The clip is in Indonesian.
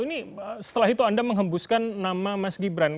ini setelah itu anda menghembuskan nama mas gibran